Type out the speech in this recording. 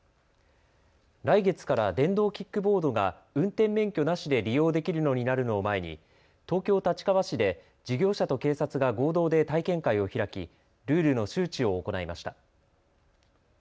来月から電動キックボードが運転免許なしで利用できるようになるのを前に東京立川市で事業者と警察が合同で体験会を開きルールの周知を行いました。